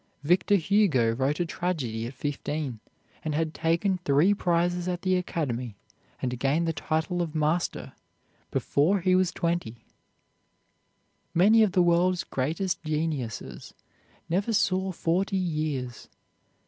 Victor Hugo wrote a tragedy at fifteen, and had taken three prizes at the Academy and gained the title of Master before he was twenty. Many of the world's greatest geniuses never saw forty years.